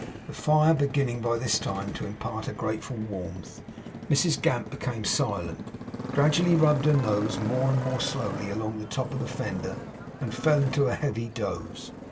The fire beginning by this time to impart a grateful warmth, Mrs Gamp became silent; gradually rubbed her nose more and more slowly along the top of the fender; and fell into a heavy doze.